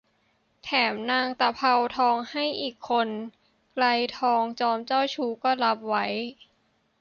แถมนางตะเภาทองให้อีกคน ไกรทองจอมเจ้าชู้ก็รับไว้